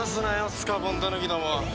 スカポンタヌキども。